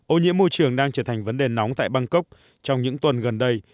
ô nhiễm môi trường đang trở thành vấn đề nóng tại bangkok trong những tuần gần đây